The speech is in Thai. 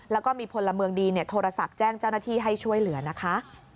แล้วก็มีพลเมืองดีโทรศัพท์แจ้งเจ้าหน้าที่ให้ช่วยเหลือนะคะ